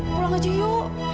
pulang aja yuk